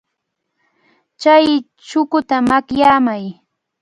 Chay chukuta makyamay.